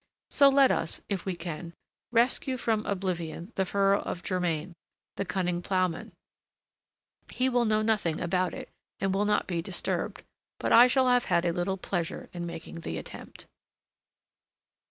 So let us, if we can, rescue from oblivion the furrow of Germain, the cunning ploughman. He will know nothing about it, and will not be disturbed; but I shall have had a little pleasure in making the attempt.